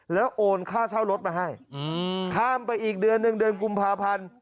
แล้วโอนค่าเช่ารถมาให้ข้ามไปอีกเดือนหนึ่งเดือนกุมภาพันธ์